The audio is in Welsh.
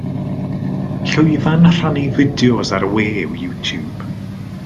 Llwyfan rhannu fideos ar y we yw YouTube.